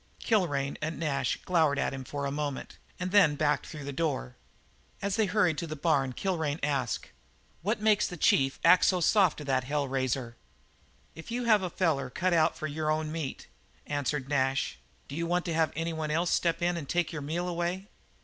Kilrain and Nash glowered at him a moment, and then backed through the door. As they hurried for the barn Kilrain asked: "What makes the chief act soft to that hell raiser?" "If you have a feller cut out for your own meat," answered Nash, "d'you want to have any one else step in and take your meal away?"